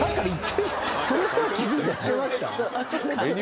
それすら気付いてない⁉言ってました？